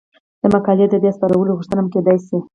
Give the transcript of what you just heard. د مقالې د بیا سپارلو غوښتنه هم کیدای شي.